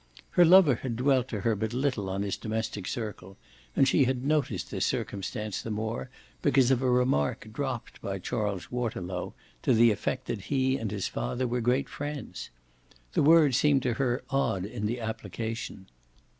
Her lover had dwelt to her but little on his domestic circle, and she had noticed this circumstance the more because of a remark dropped by Charles Waterlow to the effect that he and his father were great friends: the word seemed to her odd in that application.